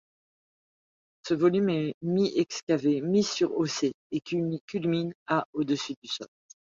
Ce volume est mi-excavé, mi-surhaussé et culmine à au-dessus du sol.